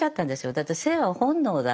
だって性は本能だ。